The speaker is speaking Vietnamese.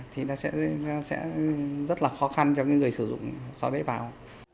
thì nó sẽ rất là khó khăn cho cái người sử dụng sau đấy vào